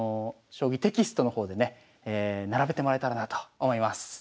将棋テキストの方でね並べてもらえたらなと思います。